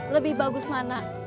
lebih bagus mana